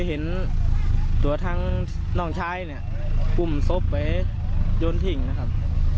เห็นตัวทั้งน้องชายเนี่ยอุ้มศพไว้โยนทิ้งนะครับ